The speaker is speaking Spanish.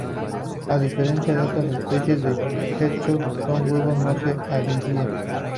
A diferencia de otras especies de geckos sus huevos no se adhieren.